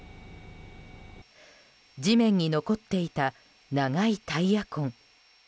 地面に残っていた長いタイヤ痕。